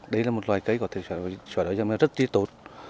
đấy là một loại cây có thể sửa đổi rất là tốt